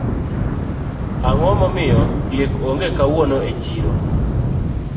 Ango momiyo diek onge kawuono e chiro